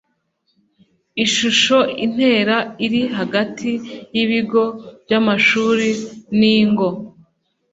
ishusho intera iri hagati y ibigo by amashuri n ingo